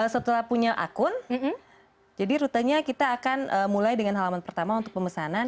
setelah punya akun jadi rutenya kita akan mulai dengan halaman pertama untuk pemesanan